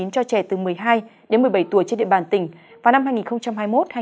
cho trẻ từ một mươi hai đến một mươi bảy tuổi trên địa bàn tỉnh vào năm hai nghìn hai mươi một hai nghìn hai mươi